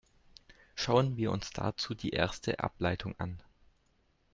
Schauen wir uns dazu die erste Ableitung an.